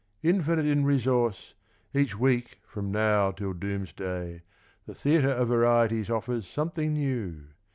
. Infinite in resource, each week from now till doomsday. The Theatre of Varieties offers something new.